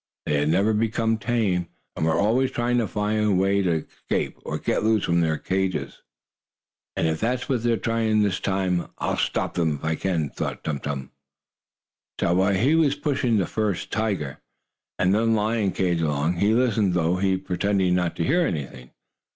They had never become tame, and were always trying to find a way to escape, or get loose from their cages. "And if that's what they're trying this time, I'll stop them if I can," thought Tum Tum. So, while he was pushing first the tiger, and then the lion cage along, he listened, though he pretended not to hear anything.